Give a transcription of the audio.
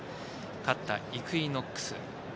勝ったイクイノックス。